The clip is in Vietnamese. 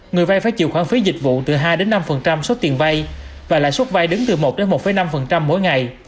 người vay phải chịu khoản phí dịch vụ từ hai năm số tiền vay và lãi suất vay đứng từ một một năm mỗi ngày